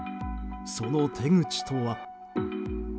その手口とは。